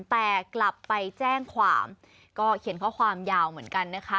แต่กลับไปแจ้งความก็เขียนข้อความยาวเหมือนกันนะคะ